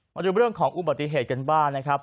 มาดูเรื่องของอุบัติเหตุกันบ้างนะครับ